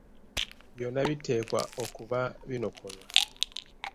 Byonna biteekwa okuba binokolwa.